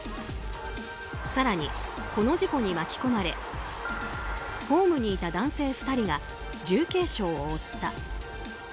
更に、この事故に巻き込まれホームにいた男性２人が重軽傷を負った。